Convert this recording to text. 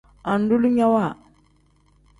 Andulinyawa.